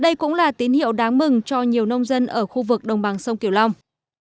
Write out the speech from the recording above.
đây cũng là tín hiệu đáng mừng cho nhiều nông dân ở khu vực đồng bằng sông kiều long